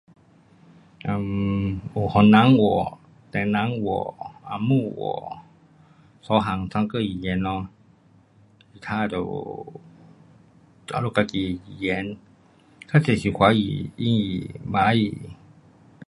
um 有番人话，唐人话，红毛话，三样三个语言咯，那都，我们自己的语言较多是华语，英语，马来语。